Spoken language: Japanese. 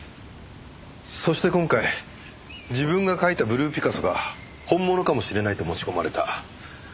そして今回自分が描いたブルーピカソが本物かもしれないと持ち込まれた。